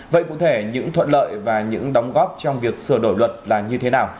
vậy cụ thể những thuận lợi và những đóng góp trong việc sửa đổi luật là như thế nào